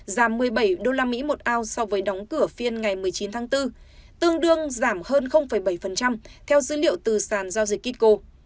giảm một mươi bảy usd một ao so với đóng cửa phiên ngày một mươi chín tháng bốn tương đương giảm hơn bảy theo dữ liệu từ sàn giao dịch kiko